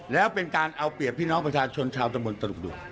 แล้วเป็นการเอาเปรียบพี่น้องประชาชนชาวตะบนตลุกดู